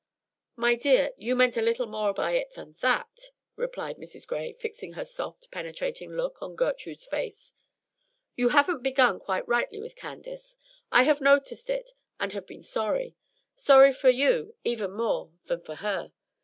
"My dear, you meant a little more by it than that," replied Mrs. Gray, fixing her soft, penetrating look on Gertrude's face. "You haven't begun quite rightly with Candace. I have noticed it, and have been sorry, sorry for you even more than for her.